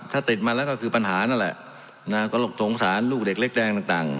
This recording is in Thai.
ถ้าติดมาแล้วก็คือปัญหานั่นแหละนะก็สงสารลูกเด็กเล็กแดงต่าง